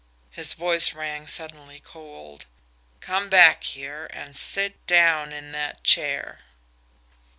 His voice rang suddenly cold. "Come back here, and sit down in that chair!"